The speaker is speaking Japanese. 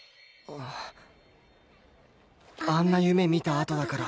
あんな夢見たあとだから